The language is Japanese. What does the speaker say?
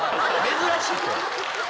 珍しいって。